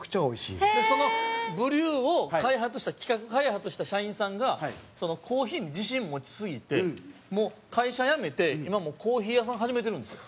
水田：そのＢｒｅｗを開発した企画、開発した社員さんがコーヒーに自信持ちすぎて会社辞めて、今、コーヒー屋さん始めてるんですよ。